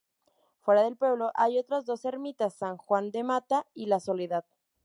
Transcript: Fuera del pueblo hay otras dos ermitas: San Juan de Mata y La Soledad.